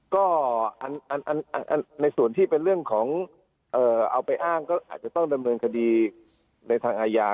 ก็ในส่วนที่เป็นเรื่องของเอาไปอ้างก็อาจจะต้องดำเนินคดีในทางอาญา